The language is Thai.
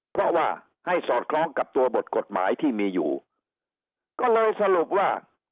เพราะว่าให้สอดคล้องกับตัวบทกฎหมายที่มีอยู่ก็เลยสรุปว่า